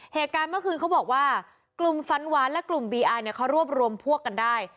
เหตุการณ์เมื่อคืนเขาบอกว่ากลุ่มฟันหวานและกลุ่มบีอาร์เนี่ยเขารวบรวมพวกกันได้